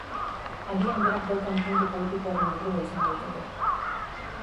Agian berak daukan puntu poetikoaren errua izan daiteke.